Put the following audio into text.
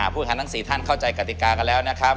ผู้แทนทั้ง๔ท่านเข้าใจกติกากันแล้วนะครับ